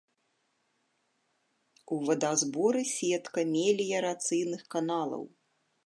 У вадазборы сетка меліярацыйных каналаў.